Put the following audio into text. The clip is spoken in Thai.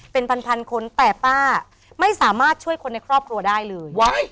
เป็นพันคนแต่ป้าไม่สามารถช่วยคนในครอบครัวได้เลย